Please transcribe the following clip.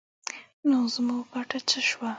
نو زموږ ګټه څه شوه؟